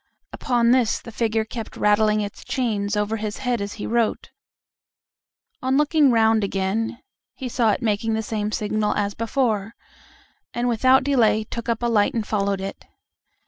Upon this the figure kept rattling its chains over his head as he wrote. On looking round again, he saw it making the same signal as before, and without delay took up a light and followed it.